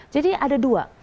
jadi ada dua